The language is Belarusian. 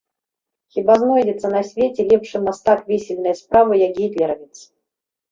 Хіба знойдзецца на свеце лепшы мастак вісельнай справы, як гітлеравец?